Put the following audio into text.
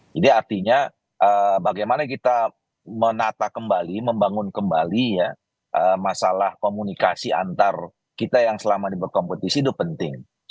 jadi artinya bagaimana kita menata kembali membangun kembali ya masalah komunikasi antar kita yang selama di berkompetisi itu penting